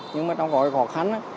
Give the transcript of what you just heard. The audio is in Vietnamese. nhưng mà nó có cái khó khăn á